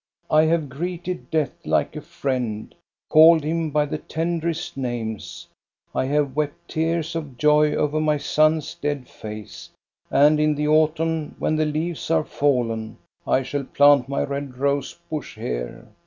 I have greeted Death like a friend, called him by the tenderest names ; I have wept tears of joy over my son's dead face, and in the autumn, when the leaves are fallen, I shall plant my red rose bush here.